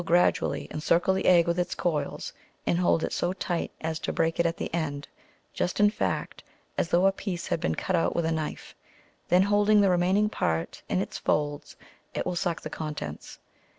549 gradually encircle the egg with its coils, and hold it so tight as to break it at the end, just, in fact, as though a piece had been cut out with a knife ; then holding the remaining part in its folds, it will suck the contents.